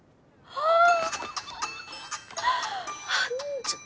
ああ！